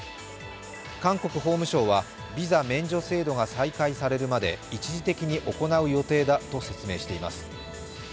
韓国法務省は、ビザ免除制度が再開されるまで一時的に行う予定だと説明しています。